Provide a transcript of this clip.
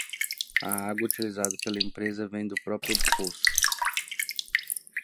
A água utilizada pela empresa vem do próprio poço.